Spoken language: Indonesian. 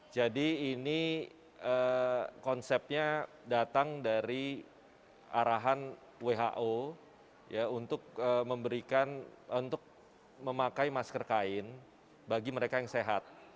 jadi ini konsepnya datang dari arahan who untuk memakai masker kain bagi mereka yang sehat